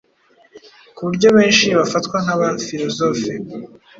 ku buryo benshi bafatwa nka ba philosophe